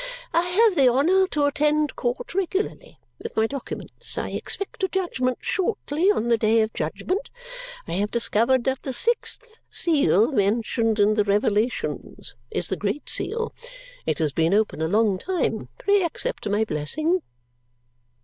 I have the honour to attend court regularly. With my documents. I expect a judgment. Shortly. On the Day of Judgment. I have discovered that the sixth seal mentioned in the Revelations is the Great Seal. It has been open a long time! Pray accept my blessing."